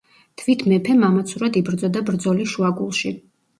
თვით მეფე მამაცურად იბრძოდა ბრძოლის შუაგულში.